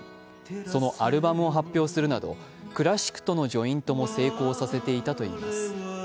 そのアルバムを発表するなどクラシックとのジョイントも成功させていたといいます。